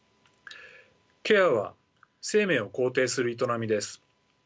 ケアは生命を肯定する営みです。